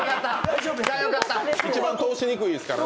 一番通しにくいですからね。